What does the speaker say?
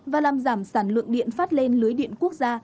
và làm giảm sản lượng điện phát lên lưới điện quốc gia